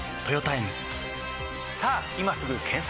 さぁ今すぐ検索！